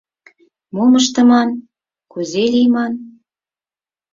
Мом ыштыман, кузе лийман?